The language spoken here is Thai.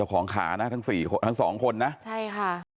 ที่ของขารักษานะคะซีก็ตั้งสองคนนะคะ